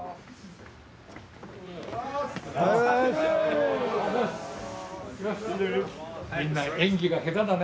おはようございます。